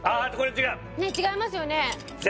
ねっ違いますよね